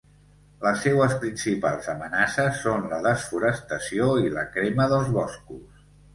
Les seues principals amenaces són la desforestació i la crema dels boscos.